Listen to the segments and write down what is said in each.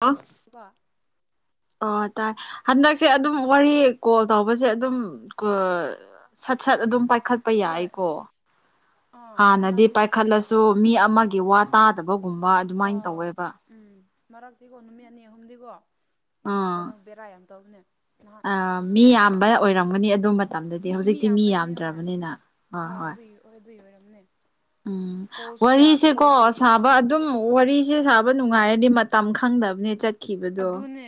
ꯑꯣ ꯋ [unintelligible] ꯑ ꯇꯥꯏ ꯍꯟꯗꯛꯁꯦ ꯑꯗꯨꯝ ꯋꯥꯔꯤ ꯀꯣꯜ ꯇꯧꯕꯁꯦ ꯑꯗꯨꯝ ꯀ ꯁꯠ ꯁꯠ ꯑꯗꯨꯝ ꯄꯥꯏꯈꯠꯄ ꯍꯣꯏ ꯌꯥꯏꯀꯣ ꯑꯥ ꯍꯥꯟꯅꯗꯤ ꯍꯟꯗꯛꯇꯤ ꯍꯛꯆꯥꯡ ꯐꯔꯦ ꯄꯥꯏꯈꯠꯂꯁꯨ ꯃꯤ ꯑꯃꯒꯤ ꯋꯥ ꯇꯥꯗꯕꯒꯨꯝꯕ ꯑ ꯑꯗꯨꯃꯥꯏꯅ ꯇꯧꯋꯦꯕ ꯎꯝ ꯃꯔꯛꯇꯤꯀꯣ ꯅꯨꯃꯤꯠ ꯑꯅꯤ ꯑꯍꯨꯝꯗꯤꯀꯣ ꯌꯥꯝ ꯀꯩꯅꯣ ꯕꯦꯔꯥ ꯌꯥꯝ ꯇꯧꯅꯦ ꯅꯍꯥꯟ ꯑ ꯃꯤ ꯌꯥꯝꯕ ꯑꯣꯏꯔꯝꯒꯅꯤ ꯑꯗꯨ ꯃꯇꯝꯗꯗꯤ ꯏ ꯍꯧꯖꯤꯛꯇꯤ ꯃꯤ ꯌꯥꯝꯕꯩꯅꯦ ꯍꯣꯏ ꯌꯥꯝꯗ꯭ꯔꯕꯅꯤꯅ ꯑ ꯍꯣꯏ ꯍꯣꯏ ꯑꯗꯨꯏ ꯑꯣꯏꯔꯝꯅꯦ ꯎꯝ ꯀꯣꯜꯁꯨ ꯋꯥꯔꯤꯁꯦꯀꯣ ꯀꯣꯜ ꯇꯧꯕꯁꯨ ꯁꯥꯕ ꯌꯥꯗꯕ ꯑꯗꯨꯝ ꯋꯥꯔꯤꯁꯦ ꯁꯥꯕ ꯅꯨꯡꯉꯥꯏꯔꯗꯤ ꯃꯇꯝ ꯈꯪꯗꯕꯅꯦ ꯆꯠ ꯈꯤꯕꯗꯣ ꯑꯗꯨꯅꯦ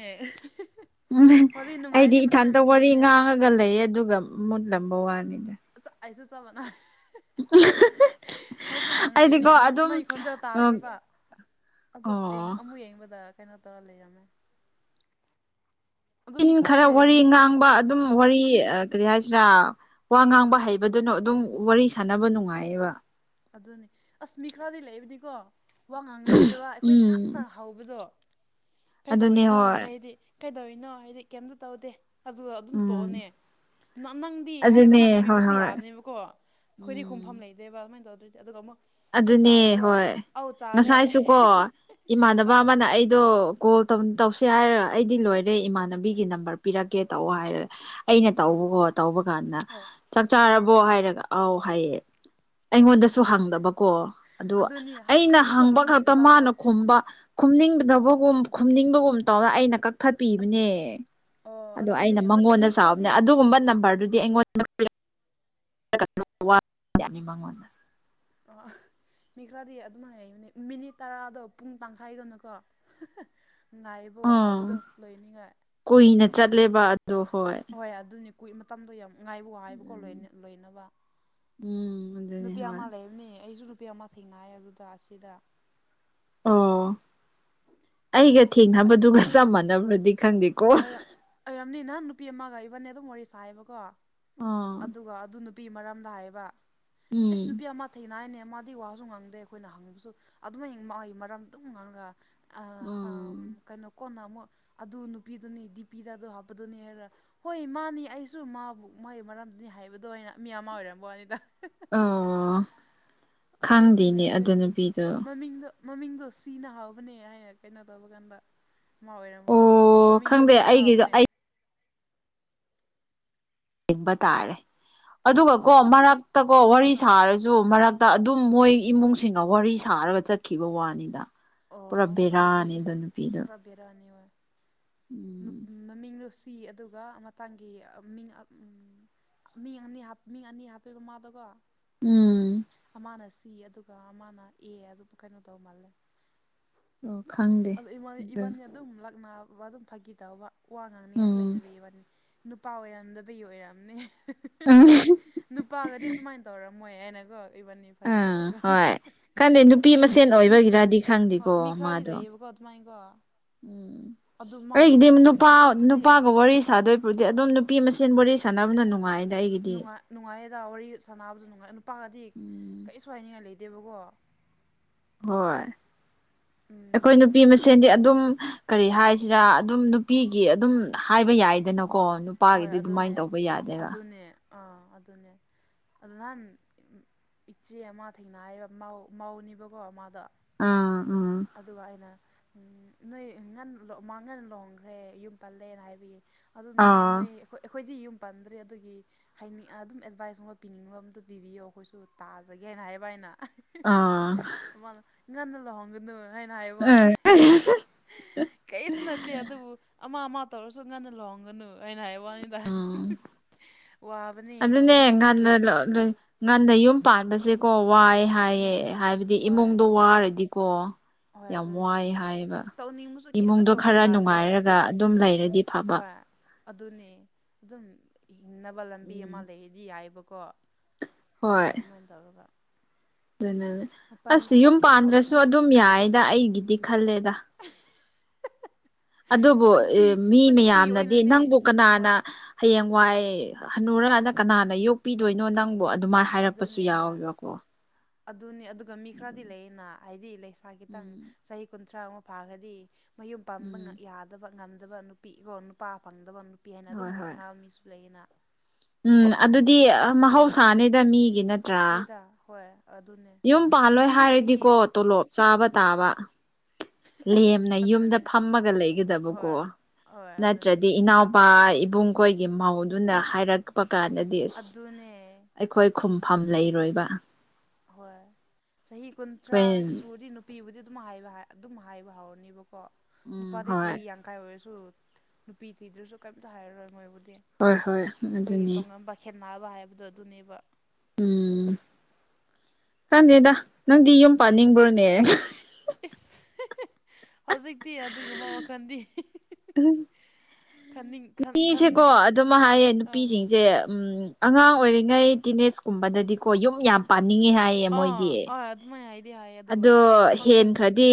ꯎꯝ ꯋꯥꯔꯤ ꯑꯩꯗꯤ ꯅꯨꯡꯉꯥꯏꯔꯗꯤ ꯃꯇꯝ ꯏꯊꯥꯟꯇ ꯌꯥꯝ ꯋꯥꯔꯤ ꯊꯨꯕꯅꯦ ꯉꯥꯡꯉ ꯒ ꯂꯩꯌꯦ ꯑꯗꯨꯒ ꯃꯨꯠꯂꯝꯕ ꯋꯥꯅꯤꯗ ꯆꯥꯏꯁꯨ ꯆꯞꯃꯅꯔꯦ ꯑꯩꯁꯨ ꯉꯥꯡꯔꯛꯏꯅꯦ ꯑꯩꯗꯤꯀꯣ ꯅꯪ ꯑꯗꯨꯝ ꯅꯩ ꯈꯣꯟꯖꯦꯜ ꯇꯥꯗ꯭ꯔꯕ ꯑꯗꯣ ꯑꯣ ꯑꯃꯨꯛ ꯌꯦꯡꯕꯗ ꯀꯩꯅꯣ ꯇꯧꯔ ꯂꯩꯔꯝꯃꯦ ꯑꯗꯣ ꯇꯤꯟ ꯃꯤ ꯈꯔꯗꯤ ꯈꯔ ꯋꯥꯔꯤ ꯂꯩꯕꯅꯦ ꯉꯥꯡꯕ ꯑꯗꯨꯝ ꯋꯥꯔꯤ ꯀꯔꯤ ꯍꯥꯏꯁꯤꯔꯥ ꯋꯥ ꯉꯥꯡꯕ ꯍꯩꯕꯗꯨꯅ ꯑꯗꯨꯝ ꯋꯥꯔꯤ ꯁꯥꯟꯅꯕ ꯅꯨꯡꯉꯥꯏꯌꯦꯕ ꯑꯗꯨꯅꯤ ꯃꯤ ꯈꯔꯗꯤ ꯂꯩꯕꯅꯤꯀꯣ ꯋꯥ ꯉꯥꯡꯕꯤꯗꯕ ꯑꯩꯈꯣꯏ ꯉꯥꯛꯇ ꯎꯝ ꯍꯧꯕꯗꯣ ꯑꯗꯨꯅꯦ ꯀꯩꯗꯧꯔꯤꯅꯣ ꯍꯣꯏ ꯍꯥꯏꯗꯤ ꯀꯩꯗꯧꯔꯤꯅꯣ ꯍꯥꯏꯗꯤ ꯀꯩꯝꯇ ꯇꯧꯗꯦ ꯑꯗꯨꯒ ꯑꯗꯨꯝ ꯎꯝ ꯇꯣꯛꯑꯅꯦ ꯅꯪꯗꯤ ꯑꯗꯨꯅꯦ ꯍꯥꯏꯕ ꯍꯣꯏ ꯍꯪꯕꯤꯕꯁꯨ ꯍꯣꯏ ꯌꯥꯕꯅꯦꯕꯀꯣ ꯑꯩꯈꯣꯏꯗꯤ ꯈꯨꯝꯐꯝ ꯎꯝ ꯂꯩ ꯗꯦꯕꯥ ꯑꯗꯨꯃꯥꯏ ꯇꯧꯗꯣꯢꯗꯤ ꯗꯨꯒ ꯑꯃꯨꯛ ꯆꯥꯛ ꯑꯗꯨꯅꯦ ꯆꯥꯔꯕ꯭ꯔꯣ ꯍꯣꯏ ꯑꯧ ꯆꯥꯔꯦ ꯉꯁꯥꯏꯁꯨꯀꯣ ꯏꯃꯥꯟꯅꯕ ꯑꯥ ꯑꯃꯅ ꯑꯩꯗꯣ ꯀꯣꯜ ꯇꯧ ꯇꯧꯁꯦ ꯍꯥꯏꯔꯒ ꯑꯩꯗꯤ ꯂꯣꯏꯔꯦ ꯏꯃꯥꯟꯅꯕꯤꯒꯤ ꯅꯝꯕꯔ ꯄꯤꯔꯛꯀꯦ ꯇꯧ ꯍꯥꯏꯔ ꯑꯩꯅ ꯑꯥ ꯇꯧꯕꯀꯣ ꯇꯧꯕ ꯀꯥꯟꯗ ꯑꯧ ꯆꯥꯛ ꯆꯥꯔꯕꯣ ꯍꯥꯏꯔꯒ ꯑꯧ ꯍꯥꯏꯌꯦ ꯑꯥ ꯑꯩꯉꯣꯟꯗꯁꯨ ꯍꯪꯗꯕꯀꯣ ꯑꯗꯨ ꯑꯗꯨꯅꯤ ꯑꯩꯅ ꯍꯪꯁꯨ ꯍꯪꯕ ꯈꯛꯇ ꯍꯪꯕꯤꯗꯕ ꯃꯥꯅ ꯑꯃꯨꯛ ꯈꯨꯝꯕ ꯈꯨꯝꯅꯤꯡꯗꯅꯕꯒꯨꯝ ꯈꯨꯝꯅꯤꯡꯕꯒꯨꯝ ꯇꯧꯔ ꯑꯩꯅ ꯀꯛ ꯊꯠꯄꯤꯕꯅꯦ ꯑꯣ ꯑꯗꯣ ꯑꯗꯨꯅꯦ ꯑꯩꯅ ꯃꯉꯣꯟꯗ ꯃꯤ ꯁꯥꯎꯕꯅꯦ ꯈꯔꯗꯤ ꯑꯗꯨꯒꯨꯝꯕ ꯅꯝꯕꯔꯗꯨꯗꯤ ꯑꯩꯉꯣꯟꯗ ꯄꯤꯔꯛ ꯃꯉꯣꯟꯗ ꯑ ꯃꯤ ꯈꯔꯗꯤ ꯑꯗꯨꯃꯥꯏꯅ ꯂꯩꯕꯅꯤ ꯃꯤꯅꯤꯠ ꯇꯔꯥꯗꯣ ꯄꯨꯡ ꯇꯥꯡꯈꯥꯏꯒꯨꯝꯅꯀꯣ ꯅꯨꯡꯉꯥꯏꯔꯤꯕꯣ ꯑꯥ ꯍꯥꯎꯕꯗꯣ ꯂꯣꯏꯅꯤꯡꯉꯥꯏ ꯀꯨꯏꯅ ꯆꯠꯂꯦꯕ ꯑꯗꯨ ꯍꯣꯏ ꯍꯣꯏ ꯑꯗꯨꯅꯤ ꯀꯨꯏ ꯃꯇꯝꯗꯣ ꯌꯥꯝ ꯉꯥꯏꯕ ꯋꯥꯌꯦꯕꯀꯣ ꯂꯣꯏꯅ ꯂꯣꯏꯅꯕ ꯎꯝ ꯑꯗꯨꯅꯤ ꯅꯨꯄꯤ ꯍꯣꯏ ꯑꯃ ꯂꯩꯕꯅꯦ ꯑꯩꯁꯨ ꯅꯨ ꯅꯨꯄꯤ ꯑꯃ ꯊꯦꯡꯅꯌꯦ ꯑꯗꯨꯗ ꯑꯁꯤꯗ ꯑ ꯑꯩꯒ ꯊꯦꯡꯅꯕꯗꯨꯒ ꯆꯞ ꯃꯥꯟꯅꯕ꯭ꯔꯗꯤ ꯈꯪꯗꯦ ꯑꯌ ꯑꯣꯏꯔꯝꯅꯤ ꯉꯍꯟ ꯅꯨꯄꯤ ꯑꯃꯒ ꯏꯕꯥꯏꯅꯤ ꯑꯗꯨꯝ ꯋꯥꯔꯤ ꯁꯥꯏꯌꯦꯕꯀꯣ ꯑꯥ ꯑꯗꯨꯒ ꯑꯗꯨ ꯅꯨ ꯅꯨꯄꯤ ꯃꯔꯝꯗ ꯍꯥꯏꯌꯦꯕ ꯑꯩꯁ ꯎꯝ ꯅꯨꯄꯤ ꯑꯃ ꯊꯦꯡꯅꯥ ꯍꯥꯏꯅꯦ ꯃꯥꯗꯤ ꯋꯥꯁꯨ ꯉꯥꯡꯗꯦ ꯑꯩꯈꯣꯏꯅ ꯍꯪꯕꯁꯨ ꯑꯗꯨꯃꯥꯏ ꯃꯥꯒꯤ ꯃꯔꯝ ꯑꯗꯨꯝ ꯉꯥꯡꯉꯒ ꯑ ꯑꯝ ꯎꯝ ꯀꯩꯅꯣ ꯀꯣꯟꯅ ꯑꯃꯨꯛ ꯑꯗꯨ ꯅꯨꯄꯤꯗꯨꯅꯤ ꯗꯤꯄꯤꯗ ꯑꯗꯨ ꯍꯥꯞꯄꯗꯨꯅꯤ ꯍꯥꯏꯔ ꯍꯣꯏ ꯃꯥꯅꯤ ꯑꯩꯁꯨ ꯃꯥꯕꯨ ꯃꯣꯏ ꯃꯔꯝꯗꯨꯅꯤ ꯍꯥꯏꯕꯗꯣ ꯑꯩꯅ ꯃꯤ ꯑꯃ ꯑꯣꯏꯔꯝꯕ ꯋꯥꯅꯤꯗ ꯑꯣ ꯑꯩ ꯑꯩꯈꯣꯏꯅ ꯈꯪꯗꯦꯅꯦ ꯑꯗꯨ ꯀꯩꯅꯣ ꯅꯨꯄꯤꯗꯣ ꯃꯃꯤꯡꯗꯨ ꯃꯃꯤꯡꯗꯣ ꯁꯤꯅ ꯍꯥꯎꯕꯅꯦ ꯍꯥꯏꯅ ꯀꯩꯅꯣ ꯇꯧꯕ ꯀꯥꯟꯗ ꯃꯥ ꯑꯣꯏꯔꯝ ꯋꯥꯅꯤ ꯑꯣ ꯃꯃꯤꯡꯗꯣ ꯈꯪꯗꯦ ꯁꯤꯅꯥ ꯑꯩꯒꯤꯗꯣ ꯍꯧꯕꯅꯦ ꯑꯩ ꯌꯦꯕ ꯇꯥꯔꯦ ꯑꯗꯨꯒ ꯀꯣ ꯃꯔꯛꯇꯀꯣ ꯋꯥꯔꯤ ꯑꯥ ꯁꯥꯔ ꯖꯨ ꯃꯔꯛꯇ ꯑꯗꯨꯝ ꯃꯣꯏ ꯏꯃꯨꯡꯁꯤꯡꯒ ꯋꯥꯔꯤ ꯁꯥꯔꯒ ꯆꯠꯈꯤꯕ ꯋꯥꯅꯤꯗ ꯄꯨꯔꯥ ꯕꯦꯔꯥꯅꯤꯗꯣ ꯅꯨꯄꯤꯗꯣ ꯕꯦꯔꯅꯤ ꯑꯣꯏ ꯎꯝ ꯃꯃꯤꯡ ꯂꯣꯁꯤ ꯑꯗꯨꯒ ꯃꯇꯥꯡꯒꯤ ꯃꯤꯡ ꯃꯤ ꯑꯅꯤ ꯃꯤ ꯑꯅꯤ ꯍꯥꯞꯄꯤꯕ ꯃꯥꯗꯨꯒ ꯎꯝ ꯑꯃꯅ ꯁꯤ ꯑꯗꯨꯒ ꯑꯃꯅ ꯑꯦ ꯑꯗꯨ ꯀꯩꯅꯣ ꯇꯧ ꯃꯥꯜꯂꯦ ꯑꯣ ꯈꯪꯒꯦ ꯑꯗꯣ ꯏꯕꯟꯅꯤ ꯑꯗꯨꯝ ꯂꯥꯛꯅꯕ ꯑꯗꯨꯝ ꯐꯥꯒꯤ ꯇꯧꯕ ꯋꯥ ꯉꯥꯡꯅꯤ ꯑꯁ ꯎꯝ ꯂꯩꯗꯕꯒꯤ ꯋꯥꯠꯅꯤ ꯅꯨꯄꯥ ꯑꯣꯏꯔꯝꯗꯕꯒꯤ ꯑꯣꯏꯔꯝꯑꯝꯅꯤ ꯅꯨꯄꯥꯒꯗꯤ ꯁꯨꯃꯥꯏꯅ ꯇꯧꯔꯝꯃꯣꯏ ꯍꯥꯏꯅꯀꯣ ꯏꯕꯟꯅꯤ ꯐ ꯑꯥ ꯇꯧꯔꯒ ꯍꯣꯏ ꯈꯪꯗꯦ ꯅꯨꯄꯤ ꯍꯣꯏ ꯃꯁꯦꯟ ꯑꯣꯏꯕꯒꯤꯔꯗꯤ ꯃꯤ ꯈꯪꯗꯦꯀꯣ ꯈꯔꯗꯤ ꯃꯥꯗꯣ ꯂꯩꯌꯦꯕ ꯗꯨꯃꯥꯏꯒꯣ ꯎꯝ ꯑꯩꯒꯤꯗꯤ ꯌꯥꯝ ꯅꯨꯄꯥ ꯒ꯭ꯔꯨꯞꯇꯗꯤ ꯅꯨꯄꯥꯒ ꯋꯥꯔꯤ ꯁꯥꯗꯣꯏꯕꯨꯗꯤ ꯑꯗꯨꯝ ꯅꯨꯄꯤ ꯃꯁꯦꯟ ꯋꯥꯔꯤ ꯁꯥꯟꯅꯕꯅ ꯑꯁ ꯅꯨꯡꯉꯥꯏꯗ ꯑꯩꯒꯤꯗꯤ ꯅꯨꯡꯉꯥꯏ ꯅꯨꯡꯉꯥꯏꯌꯦꯗ ꯋꯥꯔꯤ ꯁꯥꯟꯅꯕꯗ ꯅꯨꯡꯉꯥꯏ ꯅꯨꯄꯥꯒꯗꯤ ꯎꯝ ꯀꯔꯤꯁꯨ ꯍꯥꯏꯅꯤꯡꯉꯥꯏ ꯂꯩꯇꯦꯕꯀꯣ ꯍꯣꯏ ꯎꯝ ꯑꯩꯈꯣꯏ ꯅꯨꯄꯤ ꯃꯁꯦꯟꯗꯤ ꯑꯗꯨꯝ ꯀꯔꯤ ꯍꯥꯏꯁꯤꯔꯥ ꯑꯗꯨꯝ ꯅꯨꯄꯤꯒꯤ ꯑꯗꯨꯝ ꯍꯥꯏꯕ ꯌꯥꯏꯗꯅꯀꯣ ꯍꯣꯏ ꯅꯨꯄꯥꯒꯤꯗꯤ ꯑꯗꯨꯃꯥꯏꯅ ꯑꯗꯨꯅꯦ ꯇꯧꯕ ꯌꯥꯗꯦꯕ ꯑꯗꯨꯅꯦ ꯑꯥ ꯑꯗꯨ ꯑꯗꯨꯅꯦ ꯑꯗꯨ ꯅꯍꯥꯟ ꯏꯆꯦ ꯑꯃ ꯊꯦꯡꯅꯌ‌ꯦꯕ ꯃꯧꯅꯦꯕꯀꯣ ꯃꯥꯗꯣ ꯑꯥ ꯎꯝ ꯑꯗꯨꯒ ꯑꯩꯅ ꯅꯣꯏ ꯉꯟ ꯃꯥꯉꯟꯅ ꯂꯨꯍꯣꯡꯈ꯭ꯔꯦ ꯌꯨꯝ ꯄꯜꯂꯦꯅ ꯍꯥꯏꯕꯒꯤ ꯑꯗꯨ ꯅꯣꯏ ꯑꯥ ꯅꯣꯏ ꯑꯩꯈꯣꯏꯗꯤ ꯌꯨꯝ ꯄꯥꯟꯗ꯭ꯔꯤ ꯑꯗꯨꯒꯤ ꯍꯥꯏꯅꯤꯡ ꯑꯗꯨꯝ ꯑꯦꯗꯚꯥꯏꯁꯀꯨꯝꯕ ꯄꯤꯅꯤꯡꯕ ꯑꯝꯇ ꯄꯤꯕꯤꯌꯣ ꯑꯩꯈꯣꯏꯁꯨ ꯇꯥꯖꯒꯦ ꯍꯥꯏꯅ ꯍꯥꯏꯕ ꯑꯩꯅ ꯑꯥ ꯃꯥꯅ ꯉꯟꯅ ꯂꯨꯍꫭꯡꯒꯅꯨ ꯍꯥꯏꯅ ꯍꯥꯏꯕ ꯀꯔꯤꯁꯨ ꯅꯠꯇꯦ ꯑꯗꯨꯕꯨ ꯑꯃ ꯑꯃ ꯇꯧꯔꯁꯨ ꯉꯟꯅ ꯂꯨꯍꯣꯡꯒꯅꯨ ꯑꯩꯅ ꯍꯥꯏꯕ ꯋꯥꯅꯤ ꯎꯝ ꯎꯝ ꯋꯥꯕꯅꯤ ꯂꯨꯍꯣꯡꯒꯔꯗꯤ ꯑꯗꯨ ꯉꯟꯅ ꯌꯨꯝ ꯄꯥꯟꯕꯁꯦꯀꯣ ꯋꯥꯏ ꯍꯥꯏꯌꯦ ꯎꯝ ꯍꯥꯏꯕꯗꯤ ꯍꯣꯏ ꯏꯃꯨꯡꯗꯣ ꯋꯥꯔꯗꯤ ꯀꯣ ꯍꯣꯏ ꯌꯥꯝ ꯑꯗꯨꯅꯦ ꯋꯥꯏ ꯍꯥꯏꯕ ꯏꯁ ꯇꯧꯅꯤꯡꯕꯁꯨ ꯀꯩꯝꯇ ꯏꯃꯨꯡꯗꯣ ꯇꯧꯕ ꯈꯔ ꯌꯥꯗ꯭ꯔꯦ ꯅꯨꯡꯉꯥꯏꯔꯒ ꯑꯗꯨꯝ ꯂꯩꯔꯗꯤ ꯐꯕ ꯍꯣꯏ ꯑꯗꯨꯅꯦ ꯑꯗꯨꯝ ꯍꯤꯡꯅꯕ ꯂꯝꯕꯤ ꯎꯝ ꯑꯃ ꯂꯩꯔꯗꯤ ꯌꯥꯏꯑꯕꯀꯣ ꯅꯠꯇ꯭ꯔꯒ ꯑꯗꯨꯃꯥꯏꯅ ꯇꯧꯔꯒ ꯑꯗꯨꯅꯅꯦ ꯃꯄꯥꯟ ꯑꯁ ꯌꯨꯝ ꯊꯣꯛꯀꯦ ꯄꯥꯟꯗ꯭ꯔꯁꯨ ꯊꯣꯛꯅꯤꯡꯉꯁꯨ ꯑꯗꯨꯝ ꯌꯥꯏꯗ ꯑꯩꯒꯤꯗꯤ ꯈꯜꯂꯦꯗ [unintelligible] ꯑꯗꯨꯕꯨ ꯄꯨꯟꯁꯤ ꯃꯤ ꯄꯨꯟꯁꯤ ꯃꯌꯥꯝꯅꯗꯤ ꯑꯣꯏꯅꯗꯤ ꯅꯪꯕꯨ ꯀꯅꯥꯅ ꯍꯣꯏ ꯍꯌꯦꯡ ꯋꯥꯏ ꯍꯅꯨꯔꯀꯥꯟꯗ ꯀꯅꯥꯅ ꯌꯣꯛꯄꯤꯗꯣꯏꯅꯣ ꯅꯪꯕꯨ ꯑꯗꯨꯃꯥꯏꯅ ꯍꯥꯏꯔꯛꯄꯁꯨ ꯑꯗꯨꯅꯦ ꯍꯣꯏ ꯌꯥꯎꯋꯦꯕꯀꯣ ꯑꯗꯨꯅꯤ ꯑꯗꯨꯒ ꯃꯤ ꯈꯔꯗꯤ ꯂꯩꯌꯦꯅ ꯍꯥꯏꯗꯤ ꯂꯩꯁꯥ ꯈꯤꯇꯪ ꯎꯝ ꯆꯍꯤ ꯀꯨꯟꯊ꯭ꯔꯥ ꯑꯃ ꯐꯥꯈ꯭ꯔꯗꯤ ꯃꯌꯨꯝ ꯄꯥꯟꯕ ꯎꯝ ꯌꯥꯗꯕ ꯉꯝꯗꯕ ꯅꯨꯄꯤꯒꯣ ꯅꯨꯄꯥ ꯐꯪꯗꯕ ꯄꯤ ꯍꯥꯏꯅ ꯑꯗꯨꯝ ꯍꯣꯏ ꯍꯣꯏ ꯂꯛꯅꯕ ꯃꯤꯁꯨ ꯂꯩꯌꯦꯅ ꯎꯝ ꯑꯗꯨꯗꯤ ꯅꯨꯄꯤ ꯃꯍꯧꯁꯥꯅꯤꯗ ꯃꯤꯒꯤ ꯅꯠꯇ꯭ꯔꯥ ꯍꯣꯏ ꯍꯣꯏꯗ ꯑꯗꯨꯅꯦ ꯌꯨꯝ ꯄꯥꯜꯂꯣꯏ ꯅꯨꯄꯤꯗꯤ ꯆꯍꯤ ꯍꯥꯏꯔꯗꯤꯀꯣ ꯇꯣꯂꯣꯞ ꯆꯥꯕ ꯇꯥꯕ ꯂꯦꯝꯅ ꯌꯨꯝꯗ ꯑꯗꯨꯅꯦ ꯐꯝꯃꯒ ꯂꯩꯒꯗꯕꯀꯣ ꯍꯣꯏ ꯍꯣꯏ ꯑꯗꯨꯅꯦ ꯅꯠꯇ꯭ꯔꯗꯤ ꯏꯅꯥꯎ ꯏꯄꯥ ꯏꯕꯨꯡꯈꯣꯏꯒꯤ ꯃꯧꯗꯨꯅ ꯍꯥꯏꯔꯛꯄ ꯀꯥꯟꯗꯗꯤ ꯑꯁ ꯑꯗꯨꯅꯦ ꯑꯩꯈꯣꯏ ꯄꯥꯛ ꯈꯨꯝꯐꯝ ꯂꯩꯔꯣꯏꯕ ꯍꯣꯏ ꯆꯍꯤ ꯀꯨꯟꯊ꯭ꯔꯥ ꯑꯩꯈꯣꯏ ꯁꯨꯔꯗꯤ ꯅꯨꯞ ꯅꯨꯄꯤꯕꯨꯗꯤ ꯑꯗꯨꯝ ꯍꯥꯏꯕ ꯑꯗꯨꯝ ꯍꯥꯏꯕꯥ ꯍꯧꯔꯅꯤꯕꯀꯣ ꯎꯝ ꯅꯨꯄꯥꯗꯤ ꯍꯣꯏ ꯆꯍꯤ ꯌꯥ ꯝ ꯀꯥꯏ ꯑꯣꯏꯔꯁꯨ ꯅꯨꯄꯤ ꯊꯤꯗ꯭ꯔꯁꯨ ꯀꯩꯝꯇ ꯍꯥꯏꯔꯔꯣꯏ ꯃꯣꯏꯕꯨꯗꯤ ꯍꯣꯏ ꯍꯣꯏ ꯑꯩꯈꯣꯏ ꯑꯗꯨꯅꯤ ꯇꯣꯡꯉꯥꯟꯕ ꯈꯦꯠꯅꯕ ꯍꯥꯏꯕꯗꯣ ꯑꯗꯨꯅꯦꯕ ꯎꯝ ꯈꯪꯪꯗꯦꯗ ꯅꯪꯗꯤ ꯌꯨꯝ ꯄꯥꯟꯅꯤꯡꯕ꯭ꯔꯣꯅꯦ ꯏꯁ ꯍꯧꯖꯤꯛꯇꯤ ꯑꯗꯨꯒꯨꯝꯕ ꯋꯥꯈꯜꯗꯤ ꯈꯟꯅꯤꯡ ꯈꯟ ꯈꯟ ꯃꯤꯁꯦꯀꯣ ꯑꯗꯨꯝ ꯍꯥꯏꯌꯦ ꯑꯥ ꯅꯨꯄꯤꯁꯤꯡꯁꯦ ꯎꯝ ꯑꯉꯥꯡ ꯑꯣꯏꯔꯤꯉꯩ ꯇꯤꯅꯦꯁ ꯀꯨꯝꯕꯗꯗꯤꯀꯣ ꯌꯨꯝ ꯌꯥꯝ ꯄꯥꯅꯤꯡꯉꯦ ꯍꯥꯏ ꯑꯥ ꯃꯣꯏꯗꯤ ꯑꯥ ꯑꯗꯨꯃꯥꯏꯅ ꯍꯥꯏꯗꯤ ꯍꯥꯏꯌꯦ ꯑꯗꯨ ꯑꯗꯣ ꯈꯪꯗꯦ ꯍꯦꯟꯈ꯭ꯔꯗꯤ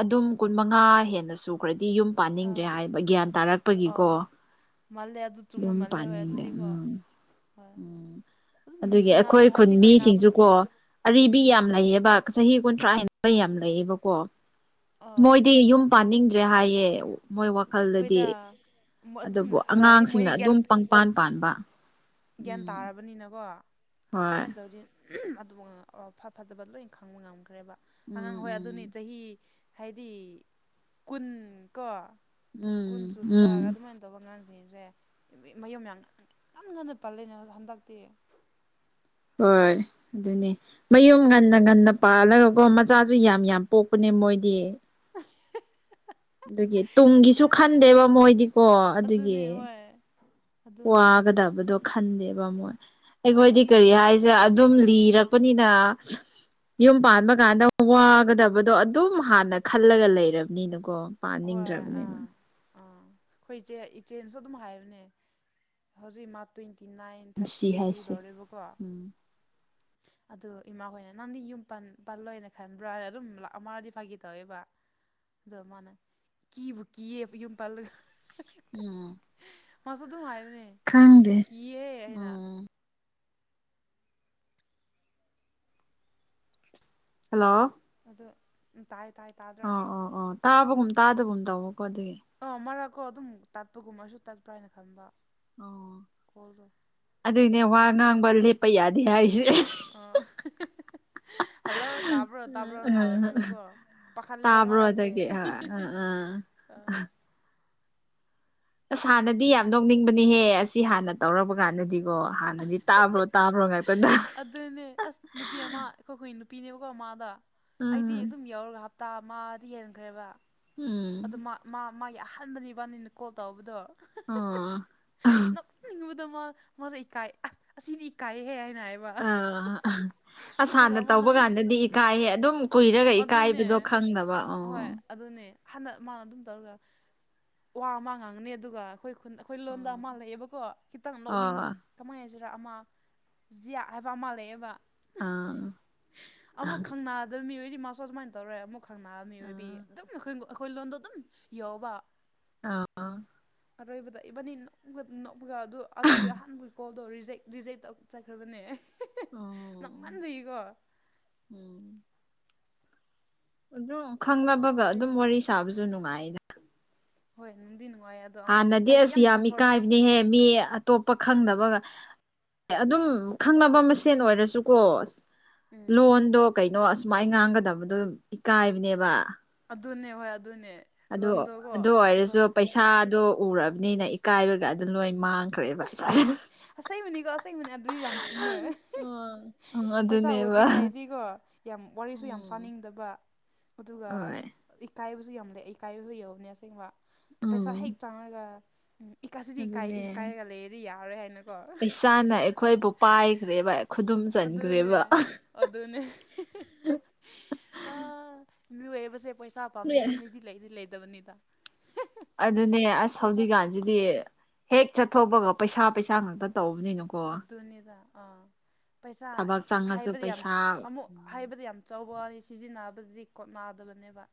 ꯑꯗꯨꯝ ꯀꯨꯟ ꯃꯉꯥ ꯍꯦꯟꯅ ꯁꯨꯈ꯭ꯔꯗꯤ ꯌꯨꯝ ꯄꯥꯅꯤꯡꯗ꯭ꯔꯦ ꯑꯥ ꯍꯥꯏꯕ ꯒ꯭ꯌꯥꯟ ꯇꯥꯔꯛꯄꯒꯤꯀꯣ ꯃꯜꯂꯦ ꯑꯗꯨ ꯆꯨꯝꯕ ꯑꯗꯨꯝ [unintelligible] ꯃꯥꯜꯂꯦ ꯍꯣꯏ ꯄꯅꯤꯗꯦ ꯑꯗꯨꯗꯤꯀꯣ ꯎꯝ ꯍꯣꯏ ꯎꯝ ꯑꯗꯨꯝ ꯑꯗꯨꯒꯤ ꯅꯨꯡꯁꯤꯅꯕ ꯑꯩꯈꯣꯏ ꯈꯨꯟ ꯍꯥꯏꯗꯤ ꯀꯣꯏꯅꯕ ꯅꯨꯞ ꯃꯤꯁꯤꯡꯁꯨꯀꯣ ꯑꯔꯤꯕꯤ ꯎꯝ ꯌꯥꯝ ꯂꯩꯌꯦꯕ ꯆꯍꯤ ꯀꯨꯟꯊ꯭ꯔꯥ ꯍꯦꯟꯕ ꯌꯥꯝ ꯂꯩꯌꯦꯕꯀꯣ ꯑꯥ ꯃꯣꯏꯗꯤ ꯌꯨꯝ ꯄꯥꯅꯤꯡꯗ꯭ꯔꯦ ꯍꯥꯏꯌꯦ ꯃꯣꯏ ꯋꯥꯈꯜꯗꯗꯤ ꯍꯣꯏꯗ ꯑꯗꯨꯝ ꯑꯗꯨꯕꯨ ꯍꯥꯏꯗꯤ ꯑꯉꯥꯡꯁꯤꯡꯅ ꯃꯣꯏꯗꯤ ꯒ꯭ꯌꯥꯟ ꯑꯗꯨꯝ ꯄꯪꯄꯥꯟ ꯄꯥꯟꯕ ꯒ꯭ꯌꯥꯟ ꯎꯝ ꯇꯥꯔꯕꯅꯤꯅꯀꯣ ꯍꯣꯏ ꯁꯨꯃꯥꯏꯅ ꯇꯧ ꯑꯗꯨ ꯐꯕ ꯐꯠꯇꯕ a ng ꯂꯣꯏ ꯈꯪꯕ ꯉꯝꯈ꯭ꯔꯦꯕ ꯑꯉꯥꯡ ꯎꯝ ꯍꯣꯏ ꯑꯗꯨꯅꯤ ꯎꯝ ꯇꯧ ꯇ ꯡꯡ ꯆꯍꯤ ꯍꯥꯏꯗꯤ ꯀꯨꯟ ꯀꯣ ꯎꯝ ꯎꯝ ꯀꯨꯟꯁꯨꯗꯕ ꯥꯑꯗꯨ ꯃꯥꯏ ꯑꯇꯧꯕ ꯑꯉꯥꯡꯁꯤꯡꯁꯦ ꯃꯌꯨꯝ ꯌꯥꯝ ꯉꯟꯅ ꯉꯟꯅ ꯄꯜꯂꯤꯅꯦ ꯑ ꯍꯟꯗꯛꯇꯤ ꯍꯣꯏ ꯑꯗꯨꯅꯦ ꯃꯌꯨꯝ ꯉꯟꯅ ꯎꯝ ꯉꯟꯅ ꯄꯥꯜꯂꯒꯀꯣ ꯆꯆꯥꯁꯨ ꯌꯥꯝ ꯌꯥꯝ ꯄꯣꯛꯄꯅꯦ ꯃꯣꯏꯗꯤ ꯑꯗꯨꯒꯤ ꯇꯨꯡꯒꯤꯁꯨ ꯈꯟꯗꯦꯕ ꯑꯦ ꯃꯣꯏꯗꯤꯀꯣ ꯑꯗꯨꯒꯤ ꯑꯗꯨꯅꯦ ꯍꯣꯏ ꯑꯗꯨꯅꯦ ꯋꯥꯒꯗꯕꯗꯣ ꯈꯟꯗꯦꯕ ꯃꯣꯏ ꯑꯩꯈꯣꯏꯗꯤ ꯍꯣꯏ ꯀꯔꯤ ꯍꯥꯏ ꯁꯤ ꯑꯗꯨꯝ ꯂꯤꯔꯛꯄꯅꯤꯅ ꯌꯨꯝ ꯄꯥꯟꯕ ꯀꯥꯟꯗ ꯋꯥꯒꯗꯕꯗꯣ ꯑꯗꯨꯝ ꯍꯥꯟꯅ ꯈꯜꯂꯒ ꯂꯩꯔꯕꯅꯤꯅꯀꯣ ꯍꯣꯏ ꯑꯥ ꯄꯥꯅꯤꯡꯗ꯭ꯔꯕꯅꯦꯕ ꯑꯥ ꯑꯩꯈꯣꯏ ꯏꯆꯦ ꯏꯆꯦꯁꯨ ꯑꯗꯨꯝ ꯍꯥꯏꯕꯅꯦ ꯍꯧꯖꯤꯛ ꯃꯥ ꯇ꯭ꯋꯦꯟꯇꯤ ꯅꯥꯏꯟ ꯊꯥꯔꯇꯤ ꯄꯨꯟꯁꯤ ꯍꯥꯏꯁꯦ ꯆꯨꯗꯧꯔꯦꯕꯀꯣ ꯎꯝ [unintelligible] ꯑꯗꯨ ꯏꯃꯥꯈꯣꯏꯅ ꯅꯪꯗꯤ ꯌꯨꯝ ꯄꯜꯂꯣꯏꯅ ꯈꯟꯕ꯭ꯔꯥꯅ ꯑꯗꯨꯝ ꯂꯥꯛꯑꯝꯃꯔꯗꯤ ꯐꯥꯒꯤ ꯇꯧꯋꯦꯕ ꯑꯗꯨ ꯃꯥꯅ ꯀꯤꯕꯨ ꯀꯤꯌꯦ ꯌꯨꯝ ꯄꯜꯂ ꯎꯝ ꯃꯥꯁꯨ ꯑꯗꯨꯝ ꯍꯥꯏꯕꯅꯦ ꯈꯪꯗꯦ ꯀꯤꯌꯦ ꯍꯥꯢꯅ ꯎꯝ ꯍꯜꯂꯣ ꯑꯗꯣ ꯇꯥꯏ ꯇꯥꯏ ꯇꯥꯗ꯭ꯔꯥ ꯑꯣ ꯑꯣ ꯑꯣ ꯇꯥꯕꯒꯨꯝ ꯇꯥꯗꯕꯨꯝ ꯇꯧꯕꯀꯣ ꯑꯗꯨꯒꯤ ꯑꯥ ꯃꯔꯛꯀꯣ ꯑꯗꯨꯝ ꯇꯠꯄꯒꯨꯝꯕꯁꯨ ꯇꯠꯄ꯭ꯔꯥ ꯍꯥꯏꯅ ꯈꯟꯕ ꯑꯣ ꯀꯣꯜꯗꯣ ꯑꯗꯨꯏꯅꯦ ꯋꯥ ꯉꯥꯡꯕ ꯂꯦꯞꯄ ꯌꯥꯗꯦ ꯍꯥꯏꯔꯤꯁꯦ ꯑꯣ [inaudible] ꯍꯜꯂꯣ ꯇꯥꯕ꯭ꯔꯣ ꯇꯥꯕ꯭ꯔꯣꯅ ꯍꯥꯎꯔꯅꯦꯕꯀꯣ ꯄꯥꯈꯠꯂꯦꯕ ꯇꯥꯕ꯭ꯔꯣ ꯃꯔꯥꯛꯇꯤ ꯑꯗꯒꯤ ꯑꯥ ꯑꯥ ꯑꯥ ꯑꯥ ꯑꯁ ꯍꯥꯟꯅꯗꯤ ꯌꯥꯝ ꯅꯣꯛꯅꯤꯡꯕꯅꯤꯍꯦ ꯑꯁꯤ ꯍꯥꯟꯅ ꯇꯧꯔꯕ ꯀꯥꯟꯗꯗꯤ ꯀꯣ ꯍꯥꯟꯅꯗꯤ ꯇꯥꯕ꯭ꯔꯣ ꯇꯥꯕ꯭ꯔꯣ ꯉꯥꯛꯇꯗ ꯑꯗꯨꯅꯦ ꯑꯁ ꯅꯨꯄꯤ ꯑꯃ ꯑꯩꯈꯣꯏꯈꯣꯢ ꯅꯨꯄꯤꯅꯦꯕꯀꯣ ꯃꯥꯗꯣ ꯑꯩꯗꯤ ꯎꯝ ꯑꯗꯨꯝ ꯌꯥꯎꯔꯒ ꯍꯥ ꯇꯥ ꯃꯗꯤ ꯍꯦꯟꯈ꯭ꯔꯦꯕ ꯎꯝ ꯑꯗꯨ ꯃꯥ ꯃꯥ ꯃꯥꯒꯤ ꯑꯍꯥꯟꯕꯅꯤꯅ ꯀꯣꯜ ꯇꯧꯕꯗꯣ ꯑꯥ ꯅꯛꯅꯤꯡꯉꯨꯕꯗ ꯃꯥ ꯃꯥꯁꯦ ꯏꯀꯥꯏ ꯑꯁ ꯑꯁꯤꯅꯤ ꯏꯀꯥꯏꯍꯦ ꯍꯥꯏꯅ ꯍꯥꯏꯕ ꯑꯥ ꯑꯁ ꯑꯗꯨꯒ ꯍꯥꯟꯅ ꯃꯥꯅ ꯇꯧꯕ ꯑꯗꯨꯝ ꯀꯥꯟꯗꯗꯤ ꯏꯀꯥꯏꯍꯦ ꯑꯗꯨꯝ ꯀꯨꯏꯔꯒ ꯑꯗꯨꯅꯦ ꯏꯀꯥꯏꯕꯗꯣ ꯈꯪꯗꯕ ꯑꯣ ꯍꯣꯏ ꯑꯗꯨꯅꯦ ꯍꯟꯗ ꯃꯥꯅ ꯑꯗꯨꯝ ꯇꯧꯔꯒ ꯋꯥ ꯑꯃ ꯉꯥꯡꯉꯅꯤ ꯑꯗꯨꯒ ꯑꯩꯈꯣꯏ ꯈꯨꯟ ꯑꯩꯈꯣꯏ ꯂꯣꯟꯗ ꯑꯃ ꯂꯩꯑꯦꯕꯀꯣ ꯈꯤꯇꯪ ꯅꯣꯛꯅꯤꯡ ꯑꯣ ꯀꯃꯥꯏꯅ ꯍꯥꯏꯁꯤꯔꯥ ꯑꯃ ꯖꯤꯌꯥ ꯍꯥꯏꯕ ꯑꯃ ꯂꯩꯑꯦꯕ ꯑꯥ ꯑꯃꯨꯛ ꯈꯪꯅꯗꯕ ꯃꯤ ꯑꯣꯢꯗꯤ ꯃꯥꯁꯨ ꯑꯗꯨꯃꯥꯏꯅ ꯇꯧꯔꯦ ꯑꯃꯨꯛ ꯈꯪꯅꯕ ꯃꯤ ꯑꯣꯏꯕꯒꯤ ꯑꯥ ꯑꯗꯨꯝ ꯑꯩꯈꯣꯏ ꯑꯩꯈꯣꯏ ꯂꯣꯟꯗꯣ ꯑꯗꯨꯝ ꯌꯥꯎꯕ ꯑꯥ ꯑꯥ ꯑꯔꯣꯏꯕꯗ ꯏꯕꯅꯤ ꯅꯒ [inaudible] ꯑꯗꯨ ꯑꯗꯨꯒꯤ ꯑꯍꯥꯟꯕꯒꯤ ꯀꯣꯜ ꯑꯗꯣ ꯔꯤ ꯔꯤꯖꯦꯛ ꯇꯧ ꯆꯠꯈ꯭ꯔꯕꯅꯦ ꯑꯣ ꯅꯣꯛꯃꯟꯕꯒꯤꯀꯣ ꯑꯗꯨꯝ ꯈꯪꯅꯕꯒ ꯑꯗꯨꯝ ꯑꯩꯗꯤ ꯋꯥꯔꯤ ꯁꯥꯕꯁꯨ ꯅꯨꯡꯉꯥꯏꯗ ꯍꯣꯏ ꯅꯨꯡꯗꯤ ꯅꯨꯡꯉꯥꯏꯌꯦ ꯑꯗꯨ ꯍꯥꯟꯅꯗꯤ ꯑꯁ ꯌꯥꯝ ꯏꯀꯥꯏꯕꯅꯦꯍꯦ ꯃꯤ ꯑꯇꯣꯞꯄ ꯈꯪꯗꯕꯒ ꯑꯗꯨꯝ ꯈꯪꯅꯕ ꯃꯁꯦꯟ ꯑꯣꯏꯔꯁꯨꯀꯣ ꯎꯝ ꯂꯣꯟꯗꯣ ꯀꯩꯅꯣ ꯑꯁꯨꯃꯥꯏ ꯉꯥꯡꯒꯗꯕꯗꯣ ꯏꯀꯥꯏꯕꯅꯦꯕ ꯑꯗꯨꯅꯦ ꯍꯣꯏ ꯑꯗꯨꯅꯦ ꯑꯗꯣ ꯂꯣꯟꯗꯣꯀꯣ ꯑꯗꯨ ꯑꯣꯏꯔꯁꯨ ꯂꯣꯟ ꯑꯇꯣꯞꯄꯅ ꯄꯩꯁꯥꯗꯣ ꯎꯔꯕꯅꯤꯅ ꯏꯀꯥꯏꯕꯒ ꯑꯗꯨ ꯂꯣꯏ ꯃꯥꯡ ꯑꯁꯦꯕꯅꯤꯀꯣ ꯑꯁꯦꯡꯕꯅꯤ ꯑꯗꯨꯗꯤ ꯌꯥꯝ ꯆꯨꯝꯃꯦ ꯎꯝ ꯄꯩꯁꯥ ꯑꯗꯨꯅꯦꯕ ꯎꯗ꯭ꯔꯤꯉꯩꯗꯤꯀꯣ ꯌꯥꯝ ꯋꯥꯔꯤꯁꯨ ꯌꯥꯝ ꯎꯝ ꯁꯥꯅꯤꯡꯗꯕ ꯑꯗꯨꯒ ꯍꯣꯏ ꯏꯀꯥꯏꯕꯁꯨ ꯌꯥꯝ ꯂꯩꯌꯦ ꯏꯀꯥꯏꯕꯁꯨ ꯌꯧꯕꯅꯦ ꯑꯁꯦꯡꯕ ꯄꯩꯁꯥ ꯍꯦꯛ ꯎꯝ ꯆꯪꯉꯒ ꯎꯝ ꯏꯀꯥꯏꯁꯤꯗꯤ ꯏꯀꯥꯏ ꯑꯗꯨꯅꯦ ꯏꯀꯥꯏꯔꯒ ꯂꯩꯔꯗꯤ ꯌꯥꯔꯣꯏ ꯍꯥꯏꯅ ꯄꯩꯁꯥꯅ ꯑꯩꯈꯣꯏꯕꯨ ꯄꯥꯏꯈ꯭ꯔꯦꯕ ꯈꯨꯗꯨꯝ ꯑꯗꯨꯅꯦ ꯆꯟꯈ꯭ꯔꯦꯕ ꯑꯗꯨꯅꯦ ꯍꯦ ꯍꯦ ꯍꯦ ꯍꯍ ꯑꯥ ꯃꯤꯑꯣꯏꯕꯁꯦ ꯄꯩꯁꯥ ꯄꯥꯝꯗꯕ ꯃꯤꯗꯤ ꯂꯩꯗꯤ ꯂꯩꯇꯕꯅꯤꯗ ꯑꯗꯨꯅꯦ ꯑꯁ ꯄꯩꯁꯥ ꯍꯧꯖꯤꯛꯀꯥꯟꯁꯤꯗꯤ ꯍꯦꯛ ꯆꯠꯊꯣꯛꯄꯒ ꯄꯩꯁꯥ ꯄꯩꯁꯥ ꯉꯥꯛꯇ ꯇꯧꯕꯅꯤꯅ ꯑꯗꯨꯅꯤꯗ ꯑꯥ ꯄꯩꯁꯥ ꯊꯕꯛ ꯆꯪꯉꯁꯨ ꯍꯥꯏꯕꯗꯤ ꯌꯥꯝ ꯄꯩꯁꯥ ꯑꯃꯨꯛ ꯍꯥꯏꯕꯗꯤ ꯌꯥꯝ ꯆꯥꯎꯕ ꯋꯥꯅꯤ ꯁꯤꯖꯤꯟꯅꯕꯗꯗꯤ ꯀꯣꯠꯅꯗꯕꯅꯦꯕ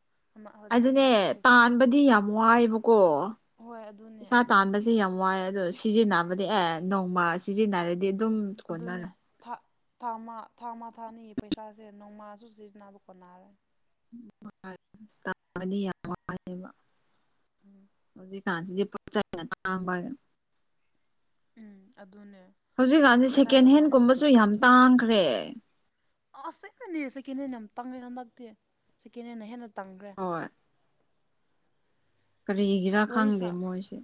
ꯑꯗꯨꯅꯦ ꯇꯥꯟꯕꯗꯤ ꯌꯥꯝ ꯋꯥꯏꯕꯀꯣ ꯍꯣꯏ ꯑꯗꯨꯅꯦ ꯄꯩꯁꯥ ꯑꯗꯨꯅꯦ ꯇꯥꯟꯕꯁꯦ ꯌꯥꯝ ꯋꯥꯏ ꯑꯗꯣ ꯁꯤꯖꯤꯟꯅꯕꯗꯤ ꯎꯝ ꯑꯦ ꯅꯣꯡꯃ ꯁꯤꯖꯤꯟꯅꯔꯗꯤ ꯑꯗꯨꯝ ꯑꯗꯨꯅꯤ ꯀꯣꯟꯅꯔꯅꯤ ꯊꯥ ꯊꯥꯃꯥ ꯊꯥꯃꯥ ꯊꯥꯅꯤ ꯄꯩꯁꯥꯁꯦ ꯅꯣꯡꯃꯥꯁꯨ ꯁꯤꯖꯤꯟꯅꯕ ꯈꯣꯟꯅꯔꯣꯏ [unintelligible] ꯇꯥꯟꯕꯗꯤ ꯌꯥꯝ ꯋꯥꯏꯌꯦꯕ ꯍꯧꯖꯤꯛ [unintelligible] ꯎꯝ ꯑꯗꯨꯅꯦ ꯍꯧꯖꯤꯛꯀꯥꯟꯁꯤ ꯄꯩꯁꯥꯒꯤ ꯁꯦꯀꯦꯟ ꯃꯃꯜ ꯍꯦꯟꯒꯨꯝꯕꯁꯨ ꯌꯥꯝ ꯇꯥꯡꯈ꯭ꯔꯦ ꯑꯁꯦꯡꯒ꯭ꯔꯦꯅꯦ ꯁꯦꯀꯦꯟ ꯍꯦꯟ ꯌꯥꯝ ꯇꯥꯡꯉꯦ ꯍꯟꯗꯛꯇꯤ ꯁꯦꯀꯦꯟ ꯍꯦꯟꯅ ꯍꯦꯟꯅ ꯇꯥꯡꯒ꯭ꯔꯦ ꯍꯣꯏ ꯀꯔꯤꯒꯤꯔꯥ ꯋꯥꯔꯤ ꯈꯪꯗꯦ ꯁꯥ ꯃꯣꯏꯁꯦ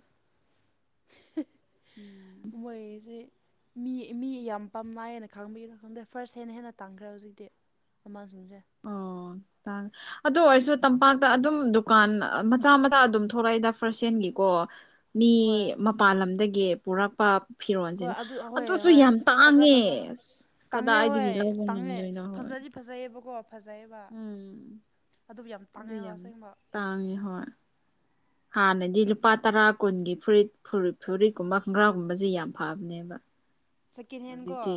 ꯎꯝ ꯃꯣꯏꯒꯤꯁꯤ ꯃꯤ ꯃꯤ ꯌꯥꯝ ꯄꯥꯝꯅꯥꯏꯌꯦꯅ ꯈꯪꯕꯒꯤꯔꯥ ꯈꯪꯗꯦ ꯐꯥꯔꯁ ꯍꯦꯟꯅ ꯍꯦꯟꯅ ꯇꯥꯡꯈ꯭ꯔꯦ ꯍꯧꯖꯤꯛꯇꯤ ꯃꯃꯜꯁꯤꯡꯁꯦ ꯑꯣ ꯇꯥꯡ ꯑꯗꯨ ꯑꯣꯏꯔꯁꯨ ꯇꯝꯄꯥꯛꯇ ꯑꯗꯨꯝ ꯗꯨꯀꯥꯟ ꯑ ꯃꯆꯥ ꯃꯆꯥ ꯑꯗꯨꯝ ꯊꯣꯛꯂꯛꯏꯗ ꯐꯥꯔꯁ ꯍꯦꯟꯒꯤꯀꯣ ꯃꯤ ꯍꯣꯏ ꯃꯄꯥꯟ ꯂꯝꯗꯒꯤ ꯄꯨꯔꯛꯄ ꯍꯣꯏ ꯐꯤꯔꯣꯟꯁꯤꯅ ꯑꯗꯨ ꯍꯣꯏ ꯑꯗꯨꯁꯨ ꯍꯣꯏ ꯌꯥꯝ ꯐꯖ ꯇꯥꯡꯉꯦ ꯐꯖꯕ ꯑꯁ ꯇꯥꯡꯉꯦ ꯀꯗꯥꯏꯗꯒꯤ ꯍꯣꯏ ꯂꯧꯕ ꯇꯥꯡꯉꯦ ꯉꯝꯗꯣꯏꯅꯣ ꯍꯣꯏ ꯐꯖꯗꯤ ꯐꯖꯩꯌꯦꯕꯀꯣ ꯐꯖꯩꯌꯦꯕ ꯎꯝ ꯑꯗꯨꯕꯨ ꯌꯥꯝ ꯇꯥꯡꯉꯦꯀꯣ ꯑꯁꯦꯡꯕ ꯇꯥꯡꯉꯤ ꯍꯣꯏ ꯍꯥꯟꯅꯗꯤ ꯂꯨꯄꯥ ꯇꯔꯥ ꯀꯨꯟꯒꯤ ꯐꯨꯔꯤꯠ ꯐꯨꯔꯤꯠ ꯐꯨꯔꯤꯠꯀꯨꯝꯕ ꯈꯣꯡꯒ꯭ꯔꯥꯒꯨꯝꯕꯁꯤ ꯌꯥꯝ ꯐꯕꯅꯦꯕ ꯁꯦꯀꯦꯟ ꯍꯧꯖꯤꯛꯇꯤ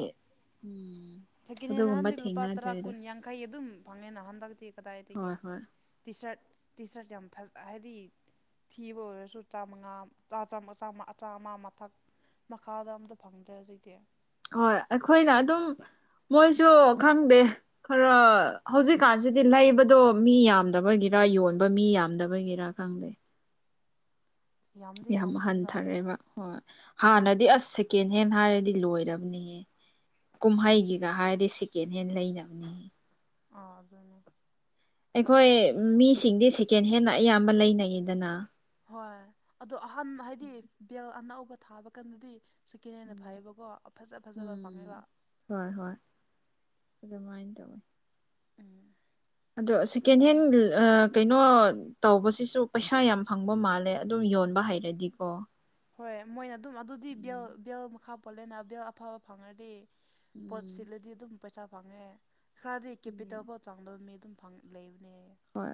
ꯎꯝ ꯁꯦꯀꯦꯟꯍꯦꯟ ꯑꯗꯨꯒꯨꯝꯕ ꯅꯥꯍꯥꯟꯗꯤ ꯂꯨꯄꯥ ꯇꯔꯥ ꯊꯦꯡꯅꯗ꯭ꯔꯦꯗ ꯀꯨꯟ ꯌꯥꯡꯈꯩ ꯑꯗꯨꯝ ꯐꯪꯉꯦꯅ ꯍꯟꯗꯛꯇꯤ ꯀꯗꯥꯏꯗꯒꯤ ꯍꯣꯏ ꯍꯣꯏ ꯇꯤ ꯁꯥꯔꯠ ꯇꯤ ꯁꯥꯔꯠ ꯌꯥꯝ ꯐꯖ ꯍꯥꯏꯗꯤ ꯊꯤꯕ ꯑꯣꯏꯔꯁꯨ ꯆꯥꯝꯃꯉꯥ ꯆꯥꯝꯃ ꯆꯥꯝꯃ ꯑꯆꯥꯃꯥ ꯃꯊꯛ ꯃꯈꯥꯗ ꯑꯝꯇ ꯐꯪꯗ꯭ꯔꯦ ꯍꯧꯖꯤꯛꯇꯤ ꯍꯣꯏ ꯑꯩꯈꯣꯏꯅ ꯑꯗꯨꯝ ꯃꯣꯏꯁꯨ ꯈꯪꯗꯦ ꯈꯔ ꯍꯧꯖꯤꯛꯀꯥꯟꯁꯤꯗꯤ ꯂꯩꯕꯗꯣ ꯃꯤ ꯌꯥꯝꯗꯕꯒꯤꯔ ꯌꯣꯟꯕ ꯃꯤ ꯌꯥꯝꯗꯕꯒꯤ ꯔꯥ ꯈꯪꯗꯦ ꯌꯥꯝꯗꯤ ꯌꯥꯝ ꯌꯥꯝꯕꯅꯤꯗ ꯑꯗꯨꯕꯨ ꯍꯟꯊꯔꯦꯕ ꯍꯣꯏ ꯎꯝ ꯍꯥꯟꯅꯗꯤ ꯑꯁ ꯁꯦꯛ ꯀꯦꯟꯍꯦꯟ ꯍꯥꯏꯔꯗꯤ ꯂꯣꯏꯔꯕꯅꯤꯍꯦ ꯎꯝ ꯀꯨꯝꯍꯩꯒꯤ ꯅ ꯍꯥꯏꯔꯗꯤ ꯁꯦꯀꯦꯟꯍꯦꯟ ꯂꯩꯅꯕꯅꯤ ꯑꯥ ꯑꯗꯨꯅꯦ ꯑꯩꯈꯣꯏ ꯃꯤꯁꯤꯡꯗꯤ ꯁꯦꯀꯦꯟꯍꯦꯟꯅ ꯑꯌꯥꯝꯕ ꯂꯩꯅꯩꯌꯦꯗꯅ ꯍꯣꯏ ꯑꯗꯣ ꯑꯍꯥꯟ ꯍꯥꯏꯗꯤ ꯕꯦꯜ ꯑꯅꯧꯕ ꯊꯥꯕ ꯀꯥꯟꯗꯗꯤ ꯁꯦꯀꯦꯟꯍꯦꯟꯅ ꯎꯝ ꯐꯩꯕꯀꯣ ꯐꯖ ꯐꯖꯕ ꯐꯪꯉꯦꯕ ꯎꯝ ꯍꯣꯏ ꯍꯣꯏ ꯑꯗꯨꯃꯥꯏꯅ ꯇꯧꯋꯤ ꯎꯝ ꯑꯗꯣ ꯁꯦꯀꯦꯟ ꯑꯗꯨꯝ ꯍꯦꯟ ꯑꯥ ꯀꯩꯅꯣ ꯇꯧꯕꯁꯤꯁꯨ ꯄꯩꯁꯥ ꯌꯥꯝ ꯐꯪꯕ ꯃꯥꯜꯂꯦ ꯑꯗꯨꯝ ꯌꯣꯟꯕ ꯍꯩꯔꯗꯤꯀꯣ ꯍꯣꯏ ꯃꯣꯏꯅ ꯑꯗꯨꯝ ꯑꯗꯨꯗꯤ ꯕꯦꯜ ꯎꯝ ꯕꯦꯜ ꯃꯈꯥ ꯄꯣꯜꯂꯦꯅ ꯕꯦꯜ ꯑꯐꯕ ꯐꯪꯉꯗꯤ ꯄꯣꯠ ꯎꯝ ꯁꯤꯠꯂꯗꯤ ꯑꯗꯨꯝ ꯄꯩꯁꯥ ꯐꯪꯉꯦ ꯈꯔꯗꯤ ꯀꯦꯄꯤꯇꯦꯜ ꯎꯝ ꯄꯣꯠ ꯆꯥꯡꯗꯝ ꯃꯤ ꯑꯗꯨꯝ ꯐꯪ ꯂꯩꯕꯅꯦꯍꯦ ꯍꯣꯏ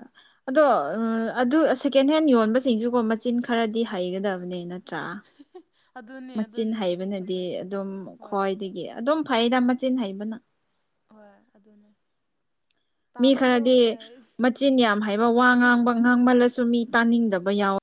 ꯑꯗꯣ ꯑꯗꯨ ꯁꯦꯀꯦꯟꯍꯦꯟ ꯌꯣꯟꯕꯁꯤꯡꯁꯨꯀꯣ ꯃꯥ꯫ ꯃꯆꯤꯟ ꯈꯔꯗꯤ ꯎꯝ ꯍꯩꯒꯗꯕꯅꯦ ꯅꯠꯇ꯭ꯔꯥ꯫ ꯑꯗꯨꯅꯦ ꯃꯆꯤꯟ ꯑꯗꯨꯅꯦ ꯑꯗꯨꯗꯤ ꯍꯩꯕꯅꯗꯤ ꯆꯨꯝꯃꯦ ꯑꯗꯨꯝ ꯍꯣꯏ ꯈ꯭ꯋꯥꯏꯗꯒꯤ ꯑꯗꯨꯝ ꯐꯩꯗ ꯃꯆꯤꯟ ꯍꯩꯕꯅ꯫ ꯍꯣꯏ ꯑꯗꯨꯅꯦ꯫ ꯃꯤ ꯇꯥꯕꯤꯌꯣ ꯈꯔꯗꯤ ꯍꯥꯏꯅ ꯃꯆꯤꯟ ꯌꯥꯝ ꯍꯩꯕ ꯋꯥ ꯑꯗꯨ ꯉꯥꯡꯕ ꯉꯥꯡꯃꯜꯂꯁꯨ ꯃꯤ ꯇꯥꯅꯤꯡꯗꯕ ꯌꯥꯎꯋꯦ꯫